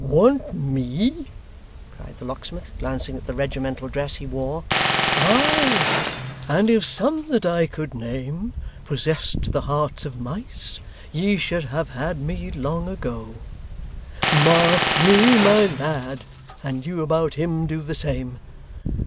'Want me!' cried the locksmith, glancing at the regimental dress he wore: 'Ay, and if some that I could name possessed the hearts of mice, ye should have had me long ago. Mark me, my lad and you about him do the same.